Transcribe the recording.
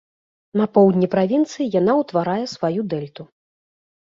На поўдні правінцыі яна ўтварае сваю дэльту.